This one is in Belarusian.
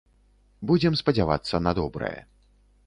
Будзем спадзявацца на добрае.